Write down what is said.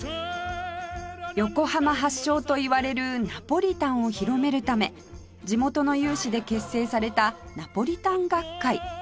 横浜発祥といわれるナポリタンを広めるため地元の有志で結成されたナポリタン学会